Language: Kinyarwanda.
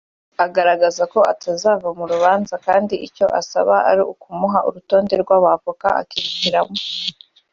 agaragaza ko atazava mu rubanza kandi icyo asaba ari ukumuha urutonde rw’Abavoka akihitiramo